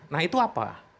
nah itu apa